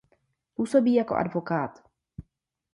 Působí jako advokát.